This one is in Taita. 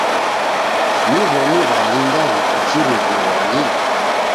Ni w'omi w'alinga w'iko kirughilonyi?